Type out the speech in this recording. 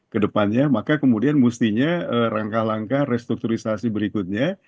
ke depannya maka kemudian mustinya rangka langka restrukturisasi berikutnya